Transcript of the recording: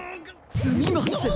すみません！